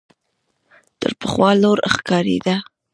تر پخوا لوړ ښکارېده .